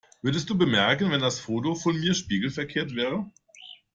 Würdest du bemerken, wenn das Foto von mir spiegelverkehrt wäre?